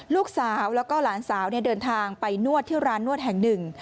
ลูกสาวแล้วก็หลานสาวเดินทางไปนวดที่ร้านนวดแห่งหนึ่ง